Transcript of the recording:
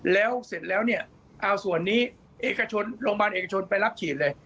แล้วเสร็จแล้วเนี่ยเอาส่วนนี้เอกชนโรงพยาบาลเอกชนไปรับฉีดเลย